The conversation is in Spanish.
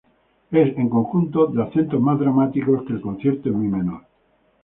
Es, en conjunto, de acentos más dramáticos que el Concierto en mi menor.